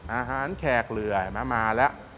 อาหารแขกเหลื่อยมาแล้ว